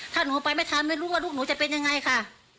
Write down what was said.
ถ้าหนูไปไม่ทันไม่รู้ว่าลูกหนูจะเป็นยังไงค่ะ